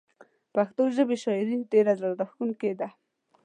پښتو ژبې شاعري ډيره زړه راښکونکي ده